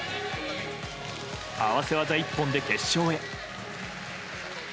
合わせ技一本で決勝へ。